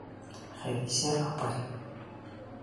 Хәҙисә апай!